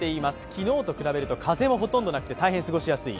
昨日と比べると風はほとんどなく、大変過ごしやすい。